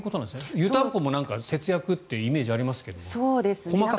湯たんぽも節約というイメージがありますが、細かく見ると。